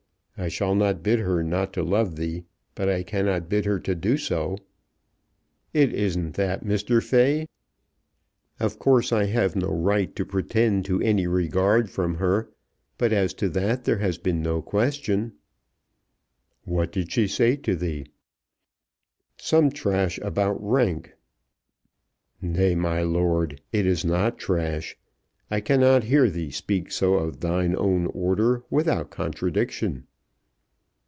I shall not bid her not to love thee, but I cannot bid her to do so." "It isn't that, Mr. Fay. Of course I have no right to pretend to any regard from her. But as to that there has been no question." "What did she say to thee?" "Some trash about rank." "Nay, my lord, it is not trash. I cannot hear thee speak so of thine own order without contradiction."